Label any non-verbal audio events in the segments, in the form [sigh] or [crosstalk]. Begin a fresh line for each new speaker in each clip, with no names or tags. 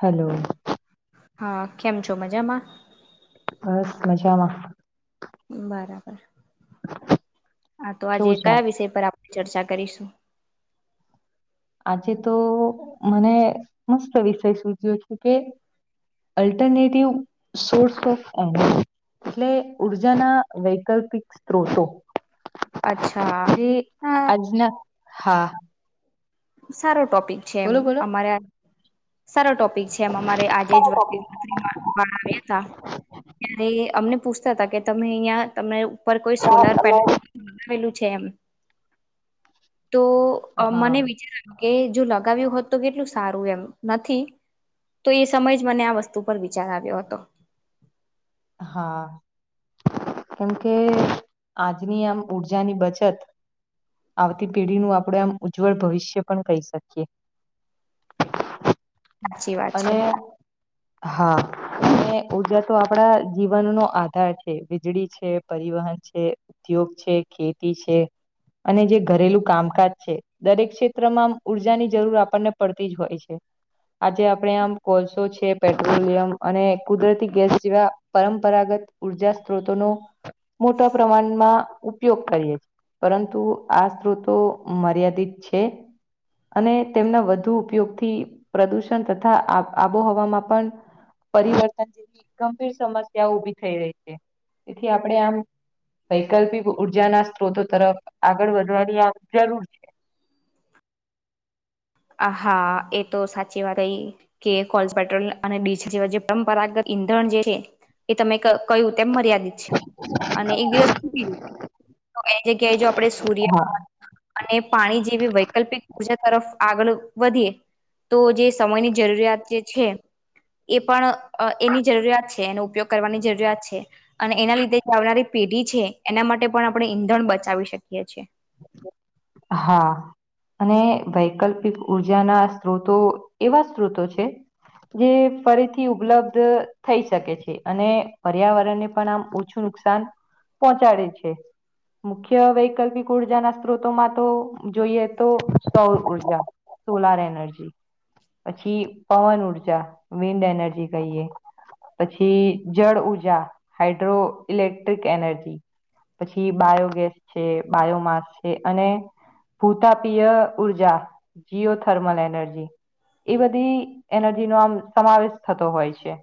Hello
હા કેમ છો મજામાં
બસ મજામાં
બરાબર હા તો આજે
કેવું ચાલ
કયા વિષય પર આપણે ચર્ચા કરીશું
આજે તો મને મસ્ત વિષય સૂચ્યો છે કે અલ્ટરનેટિવ સોર્સ ઓફ એટલે ઉર્જાના વૈકલ્પિક સ્ત્રોતો
અચ્છા
જે
હા
આજના હા
સારો ટોપિક છે એમ
બોલો બોલો
અમારે સારો ટોપિક છે એમ અમારે આજે જ વા બે હતા ત્યારે અમને પૂછતા હતા કે તમે અહં તમને ઉપર કોઈ સોલાર પેનલલું છે એમ તો
હા
મને વિચાર કે જો લગાવ્યું હોત તો કેટલું સારું એમ નથી તો એ સમય જ મને આ વસ્તુ પર વિચાર આવ્યો હતો
હા કેમ કે આજની આમ ઉઊર્જાની બચત આવતી પેઢીનું આપણે આમ ઉજ્જવળ ભવિષ્ય પણ કહી શકીએ [inaudible]
સાચી વાત છે
અને હા અને ઉર્જા તો આપડા જીવનનોો આધાર છે વીજળી છે પરિવહન છે ઉદ્યોગ છે ખેતી છે અને જે ઘરેલું કામકાજ છે દરેક ક્ષેત્રમાં ઉર્જાની જરૂર આપણને પડતી જ હોય છે [inaudible] આજે આપણે આમ કોલસો છે પેટ્રોલિયમ અને કુદરતી ગેસ જેવા પરંપરાગત ઉર્જા સ્ત્રોતો ન મોટા પ્રમાણમાં ઉપયોગ કરીએ છી પરંતુ આ સ્ત્રોતો મર્યાદિત છે અને તેમના વધુ ઉપયોગથી પ્રદુષણ તથા આબોહવામાં પણ પરિવર્તન જેવી ગંભીર સમસ્યા ઉભી થઈ રહી છે તેથી આપણેે આમ વૈકલ્પિક ઉર્જાના સ્ત્રોતો તરફ આગળ વધવાની આ જરૂર છે [inaudible]
હા એ તો સાચી વાત એ કે કોલ્સ પેટ્રોલ અને ડીઝલ જેવા જે પરંપરાગત ધણ જે છે એ તમે કયું તેમ મર્યાદિત છે અને એક દિવસ તો એ જગ્યાએ જો આપણેે સૂર્ય
હા
હો અને પાણી જેવી વૈકલ્પિક ઉર્જા તરફ આગળ વધીએ તો જે સમયની જરૂરિયાત જે છે એ પણ એની જરૂરિયાત છે એનો ઉપયોગ કરવાની જરૂરિયાત છે અને એના લીધે આવનારી પેઢી છે એના માટે પણ આપણે ઈંધણ બચાવી શકીએ છીએ
હા અને વૈકલ્પિક ઉર્જાના સ્ત્રોતો એવા સ્ત્રોતો છે. જે ફરીથી ઉપલબ્ધ થઈ શકે છે. અને પર્યાવરણને પણ આમ ઓછું નુકસાન પહોંચાડે છે. મુખ્ય વૈકલ્પિક ઉર્જા ના સ્ત્રોતોમાં તો જોઈએ તો સૌર ઉર્જા સોલાર એનર્જી પછી પવન ઉર્જા વિન્ડ એનર્જી કહીએ. પછી જળ ઉઊર્જા હાાઈડ્રો ઇલેક્ટ્રિક એનર્જી પછી બાયોગેસ છે બાયોમાસ છે. અને ભૂતાપીય ઉઊર્જા જીયો થર્મલ એનર્જી એ બધી એનર્જી નો આમ સમાવેશ થતો હોય છે.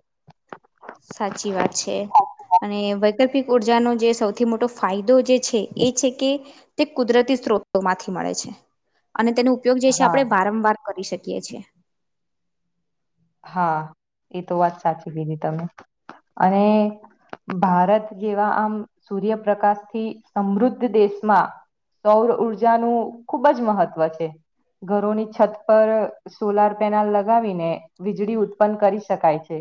સાચી વાત છે. અને વૈકલ્પિક ઉર્જાનો જે સૌથી મોટો ફાયદો જે છે એ છે કે, તે કુદરતી સ્ત્રોતોમાંથી મળે છે. અને તેનો ઉપયોગ જે છે.
હા
આપણે વારંવાર કરી શકીએ છીએ.
હા એ તો વાત સાચી લીધી તમે અને ભારત જેવા આમ સૂર્યપ્રકાશ થી સમૃદ્ધ દેશમાં સૌર ઉર્જાનુંું ખુબ જ મહત્વ છે. ઘરોની છત પર સોલાર પેનલ લગાવીને વીજળી ઉત્પન્ન કરી શકાય છે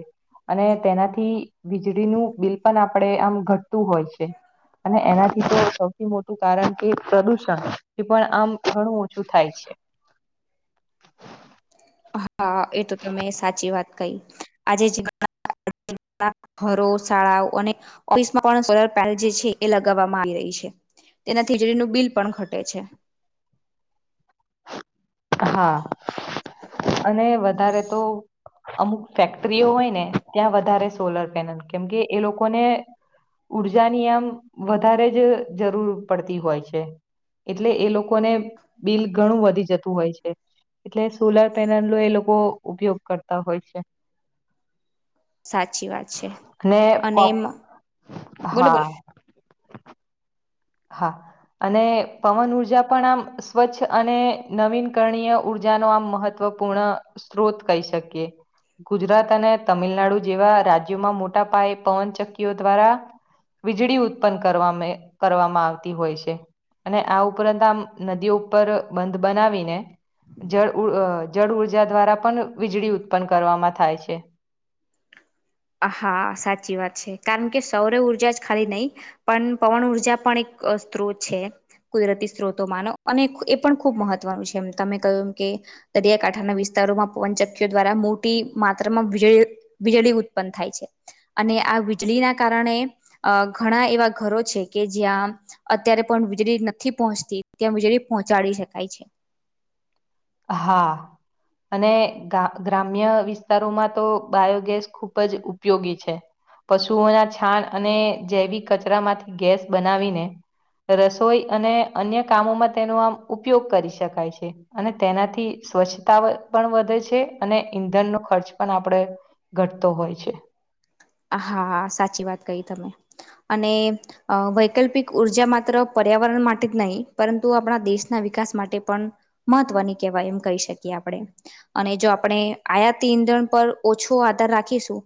અને તેનાથી વીજળીનું બિલ પણ આપણે આમ ઘટતું હોય છે અને એનાથી સૌથી મોટું કારણ કે પ્રદુષણ એ પણ આમ ઘણું ઓછું થાય છે [inaudible]
હા એ તો તમે સાચી વાત કહી આજે જ ઘરો શાળાઓ અને ઓફિસમાં પણ સોલર પેનલ જે છે એ લગાવવામાં આવી રહી છે તેના થિજડીનું બિલ પણ ઘટે છે
[inaudible] હા અને વધારે તો અમુક ફેક્ટરીઓ હોય ને ત્યાં વધારે સોલર પેનલ કેમકે એ લોકોને ઉર્જાની આમ વધારે જ જરૂર પડતી હોય છે એટલે એ લોકોને બિલ ઘણું વધી જતું હોય છે એટલે સોલાર પેનલ નો એ લોકો ઉપયોગ કરતા હોય છે
સાચી વાત છે
[unintelligible] ને
અને એમ બોલો બોલો
હા હા અને પવન ઉર્જા પણ આમ સ્વચ્છ અને નવીન કરણીય ઉર્જા ન આમ મહત્વ પૂર્ણ સ્ત્રોત કહી શકીએ ગુજરાત અને તમિલનાડુ જેવા રાજ્યોમાં મોટા પાયે પવનચક્કીઓ દ્વારા વીજળી ઉત્પન્ન કરવાવામાં કરવામાં આવતી હોય છે અને આ ઉપરાંત આમ નદી ઉપર બંધ બનાવીને જળ જળ ઉર્જા દ્વારા પણ વીજળી ઉત્પન્ન કરવામાં થાય છે
હા સાચી વાત છે કારણ કે સૌર ઉઊર્જા જ ખાલી નહીિ પણ પવન ઉઊર્જા પણ એક સ્ત્રોત છે કુદરતી સ્ત્રોતો માનો અને એ પણ ખુબ મહત્વનું છે એમ તમે કહ્યું એમ કે દરિયાકાંઠાના વિસ્તાર વિસ્તારમાં પવનચકીઓ દ્વારા મોટી માત્રામાંજળી વીજળી ઉ થાય છે અને આ વીજળીના કારણે અ ઘણા એવા ઘરો છે કે જ્યાં અત્યારે પણ વીજળી નથી પહોંચતી ત્યાં વીજળી પહોંચાડી શકાય છે
હા અને ગ ગ્રામ્ય વિસ્તારોમાં તો બાયોગેસ ખૂબ જ ઉપયોગી છે પશુઓના છાણ અને જૈવિક કચરા માંથી ગેસ બનાવીને રસોઈ અને અન્ય કામોમાં તેનો આમ ઉપયોગ કરી શકાય છે અને તેનાથી સ્વચ્છતા પણ વધે છે અને ઈંધણનો ખર્ચ પણ આપણે ઘટતો હોય હોય છે
હા સાચી વાત કહી તમે અને વૈકલ્પિક ઉર્જા માત્ર પર્યાવરણ માટે જ નહીં પરંતુ આપણા દેશના વિકાસ માટે પણ મહત્વની કહેવાય એમ કહી શકીએ આપણે અને જો આપણે આયાતી ઓછો આધાર રાખીશું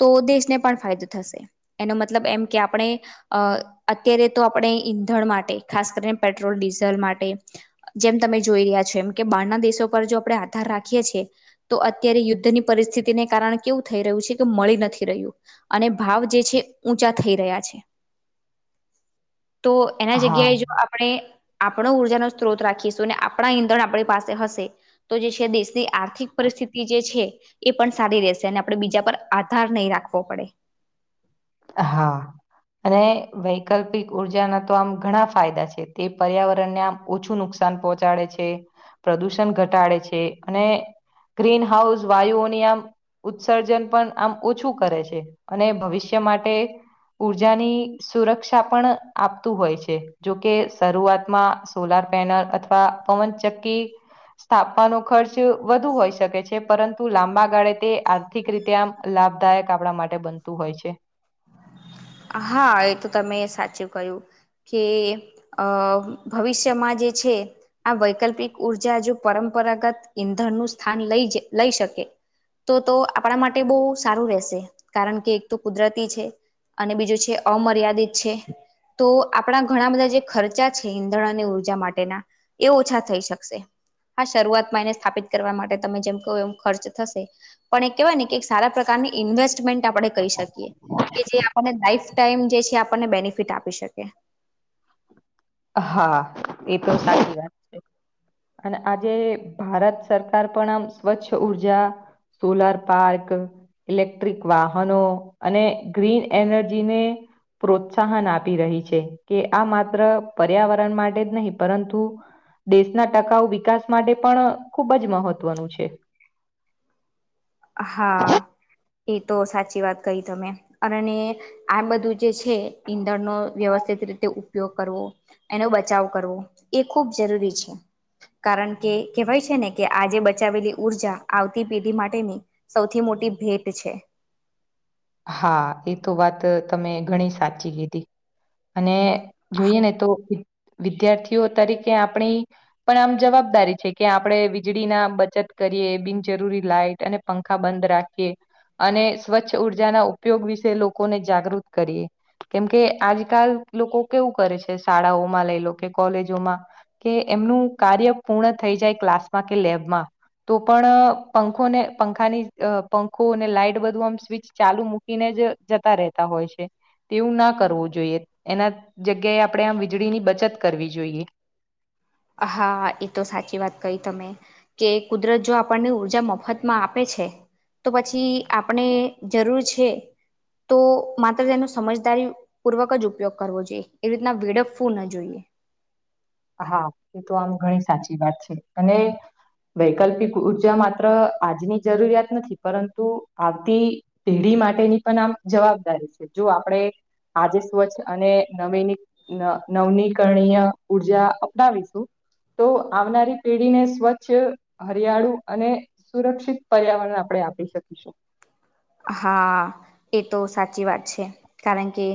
તો દેશ ને પણ ફાયદો થશે એનો મતલબ એમ કે આપણે અત્યારે તો આપણે ઈંધણ માટે ખાસ કરીને પેટ્રોલ ડીઝલ માટે જેમ તમે જોઈ રહ્યા છો એમ કે બારના દેશો પર જો આપણે આધાર રાખીએ છીએ તો અત્યારે યુદ્ધની પરિસ્થિતિને કારણ કેવું થઈ રહ્યું છે કે મળી નથી રહ્યું અને ભાવ જે છે ઊંચા થઈ રહ્યા છે તો એના
હા
જગ્યાએ જો આપણે આપણો ઉર્જાનોો સ્ત્રોત રાખીશું અને આપણા ઈંધણ આપણી પાસે હશે તો જે છે દેશની આર્થિક પરિસ્થિતિ સ્થિતિ જે છે એ પણ સારી રહેશે અને આપડણે બીજા પર આધાર નહી રાખવો પડે
હા અને વૈકલ્પિક ઉર્જાના તો આમ ઘણા ફાયદા છે તે પર્યાવરણને આમ ઓછું નુકસાન નુકસાન પહોંચાડે છે પ્રદુષણ ઘટાડે છે અને ગ્રીન હાઉસ વાયુઓની આમ ઉત્સર્જન પણ આમ ઓછું કરે છે અને ભવિષ્ય ટ માટે ઉર્જાની સુરક્ષા પણ આપતું હોય છે જોકે શરૂઆતમાં સોલાર પેનલ અથવા પવન ચક્કી સ્થાપવાનો ખર્ચ વધુ હોય શકે છે પરંતુ લાંબા ગાળે તે આર્થિક રીતે આમ લાભદાયક આપણા માટે બનતું હોય છે
હા એ તો તમે સાચું કહ્યું કે અ ભવિષ્યમાં જે છે આ વૈકલ્પિક ઉર્જા જો પરંપરાગત ઈંધણ નું સ્થાન લઈ લઈ શકે તો તો આપણા માટે બહુ સારું રહેશે કારણ કે એક તો કુદરતી છે અને બીજું છે અમર્યાદિત છે તો આપણા ઘણા બધા જે ખર્ચા છે ઈંધણ અને ઉઊર્જા માટેના એ ઓછા થઈ શકશે હા શરૂઆતમાં એને સ્થાપિત કરવા માટે તમે જેમ કહો એમ ખર્ચ થશે પણ એ કેહેવાય ને કે સારા પ્રકાર વેસ્ટમેન્ટ આપ કહી શકી કે જે આપને લફ ટાઈમ જે છે આપણને બેનિફિટ આપી શકે
હા એ તો સાચી વાત છે અને આજે ભારત સરકાર પણ આમ સ્વચ્છ ઉર્જા સોલાર પાર્ક ઇલેક્ટ્રિક વાહનો અને ગ્રીન એનર્જીને પ્રોત્સાહન આપી રહી છે કે આ માત્ર પર્યાવરણ માટે જ નહીં પરંતુ દેશના ટકાઉ વિકાસ માટે પણ ખૂબ જ મહત્વનું છે [unintelligible]
હા એ તો સાચી વાત કહી તમે અને આ બધું જે છે ઈંધણનો વ્યવસ્ વ્યવસ્થિત રીતે ઉપયોગ કરવો એનો બચાવ કરવો એ ખૂબ જરૂરી છે કારણ કે કેહેવાય છે ને કે આજે બચાવેલી ઉઊર્જા આવતી પેઢી માટેની સૌથી મોટી ભેટ છે
હા એ તો વાત તમે ઘણી સાચી કીધી અને
હા,
જોઈએ ને તો વિદ્યાર્થીઓ તરીકે આપણી પણ આમ જવાબદારી છે કે આપણે વીજળી ના બચત કરીએ બિનજરૂરી લાઈટ અને પંખા બંધ રાખીએ અને સ્વચ્છ ઉા બજા ના ઉપયોગ વિશે લોકોને જાગૃત કરીએ કેમકે આજકાલ લોકો કેવું કરે છે શાળાઓમાં લ લો કે કોલેજોમાં કે એમનું કાર્ય પૂર્ણ થઈ જાય ક્લાસમાં કે લે તો પણ પંખોને પંખાની પંખોને લાાઈટ બધું આમ સ્વચ ચાલુ મૂકીને જ જતા રહેતા હોય છે તેવું ના કરવું જોઈએ એના જગ્યાએ આપણે આમ વીજળી ની બચત કરવી જોઈએ [inaudible]
હા એ તો સાચી વાત કઈ તમે કે કુદરત જો આપણને ઊર્જા મફતમાં આપે છ છે તો પછી આપણે જરૂર છે તો માત્ર તેનો સમજદારી પૂર્વક જ ઉપયોગ કરવો જોઈએ એવી રીતના વેડપવું ન જોઈએ
હા એ તો આમ ઘણી સાચી વાત છે અને વૈકલ્પિક ઉર્જા માત્ર આજની જરૂરિયાત નથી પરંતુ આવતી પેઢી માટેની પણ આમ જવાબદારી છે જો આપડે આજે સ્વચ્છ અને નવીની નવનીકરણીય ઉર્જા અપનાવીશું તો આવનારી પેઢીને સ્વચ્છ હરિયાળુ અને સુરક્ષિત પર્યાવરણ આપડે આપી શકીશું
હા એ તો સાચી વાત છે કારણ કે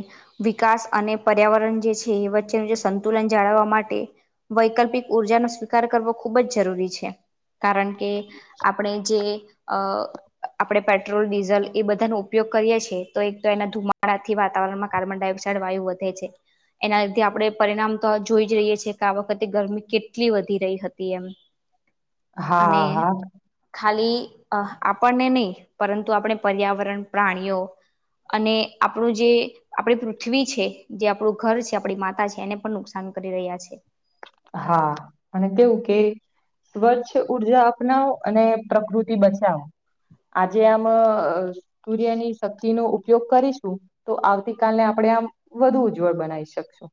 વિકાસ અને પર્યાવરણ એ છે વચ્ચેનું જે સંતુલન જાળવવા માટે વૈકલ્પિક ઉર્જાનો સ્વીકાર કરવો ખુબ જ જરૂ રૂરી કારણ કે આપડે જે અ આપડે પેટ્રોલ ડીઝલ એ બધાનો ઉપયોગ કરીએ છીએ તો એક તો એના ધુમાડાથી વાતાવરણમાં કાર્બન ડાયોક્સાઇડ વાયુ વધે છે. એના લીધે આપડે પરિણામ તો જોઈ જ રહીએ છે કે આ વખતે ગરમી કેટલી વધી રહી હતી એમ.
હા
અને
હા
ખાલી અ આપણને નઈ પરંતુ આપણે પર્યાવરણ પ્રાણીઓ અને આપડુ જે આપડી પૃથ્વી છે જે આપડુ ઘર છે આપડી માતા છે એને પણ નુકસાન કરી રહ્યા છે
હા અને તેવું કે સ્વચ્છ ઉર્જા અપનાવો અને પ્રકૃતિ બચાવો. આજે આમ સૂર્યની શક્તિનો ઉપયોગ કરીશું તો આવતી કાલને આપ ને વધુ ઉજ્જવળ બનાવી શકશું.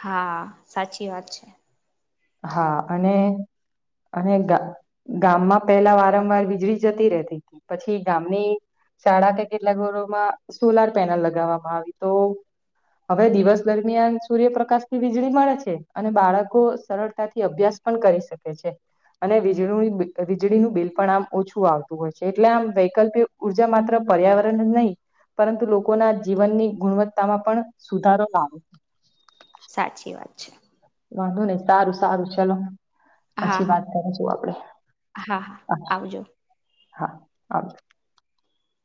હા સાચી વાત છે
હા અને અને ગા ગામમાં પેલા વારંવાર વીજળી જતી રહેતી હતી પછી ગામની શાળા કે કેટલા ઘરોમાં સોલાર પેનલ લગાવવામાં આવી તો હવે દિવસ દરમિયાન સૂર્યપ્રકાશથી વીજળી મળે છે અને બાળકો સરળતાથી અભ્યાસ પણ કરી શકે છે અને વીજળી વીજળીનું બિલ પણ આમ ઓછું આવતું હોય છે એટલે આમ વૈકલ્પિક ઉર્જા માત્ર પર્યાવરણ જ નહી પરંતુ લોકોના જીવનની ગુણવત્તામાં પણ સુધારો લાવે છે.
સાચી વાત છે
વાંધો નઈ સારું સારું ચલો
હા
પછી
હા
વાત કરીશું આપડે
હા હા આવજો
હા આવજો